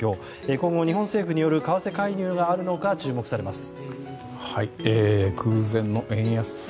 今後、日本政府による為替介入があるのか注目されます。